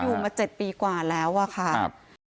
อยู่มาเจ็ดปีกว่าแล้วอะค่ะครับ